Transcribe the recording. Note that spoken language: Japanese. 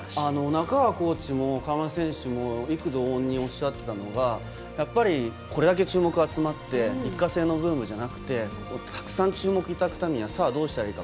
コーチも川村さんも異口同音におっしゃっていたのがやっぱりこれだけ注目が集まってそれが一過性のものじゃなくて注目していただくためにはどうしたらいいか。